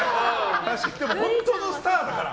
本当のスターだから。